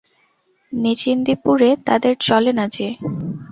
নিশ্চিন্দিপুরে তাদের চলে না যে?